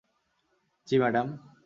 জ্বি, ম্যাডাম?